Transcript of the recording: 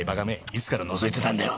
いつから覗いてたんだよ。